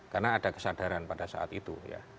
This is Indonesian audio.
karena ada kesadaran pada saat itu